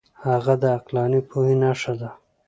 هغه د عقلاني پوهې نښه ده.